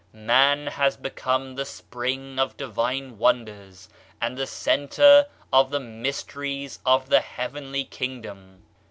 Man has become the spring of divine wonders and the center of the mysteries of the heavenly Kingdom.